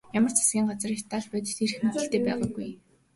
Ямар ч засгийн газар Италид бодит эрх мэдэлтэй байгаагүй.